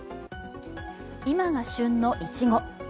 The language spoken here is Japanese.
今が旬のいちご。